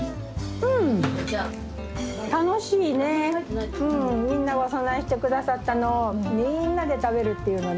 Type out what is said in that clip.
うんみんながお供えしてくださったのをみんなで食べるっていうのね。